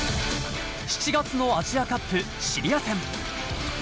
７月のアジアカップ、シリア戦。